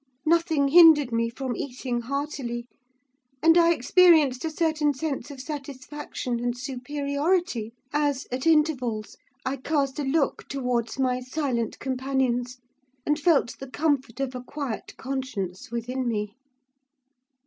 Nothing hindered me from eating heartily, and I experienced a certain sense of satisfaction and superiority, as, at intervals, I cast a look towards my silent companions, and felt the comfort of a quiet conscience within me.